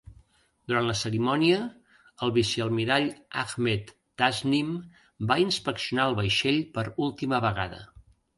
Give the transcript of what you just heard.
Durant la cerimònia, el vicealmirall Ahmed Tasnim va inspeccionar el vaixell per última vegada.